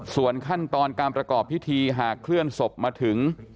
ส่วนขั้นตอนการประกอบพิธีหากเคลื่อนศพมาถึง